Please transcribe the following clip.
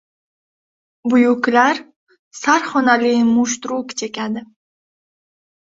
Buyuklar sarxonali mundshtuk chekadi".